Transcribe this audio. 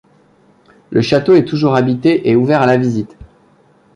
Le château est toujours habité et ouvert à la visite.